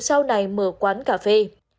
sau này mở quán cà phê